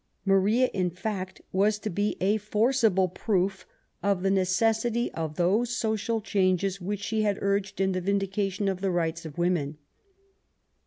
Maria^ in fact^ was to be a forcible proof of the necessity of those social changes which she had urged in the Vindication of the Rights of Women.